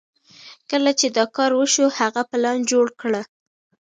کله چې دا کار وشو هغه پلان جوړ کړ.